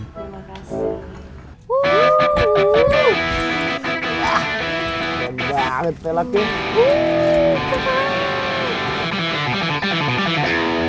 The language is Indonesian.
wah gede banget telaknya